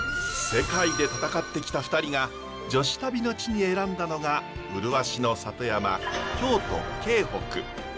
世界で戦ってきた２人が女子旅の地に選んだのが麗しの里山京都京北。